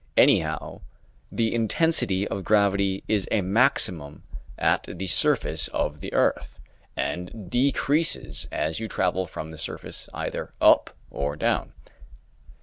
Anyhow, the intensity of gravity is a maximum at the surface of the earth, and decreases as you travel from the surface either up or down.